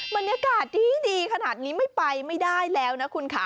บรรยากาศดีขนาดนี้ไม่ไปไม่ได้แล้วนะคุณค่ะ